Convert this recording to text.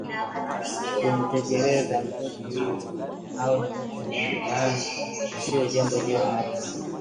Kumtelekeza mtoto ili awe mtoto wa mtaani sio jambo jema hata